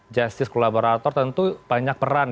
justice collaborator tentu banyak peran